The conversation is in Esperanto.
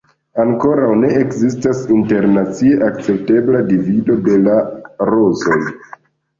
Ankoraŭ ne ekzistas internacie akceptebla divido de la rozoj.